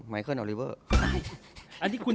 ไมเคิลออริเวอร์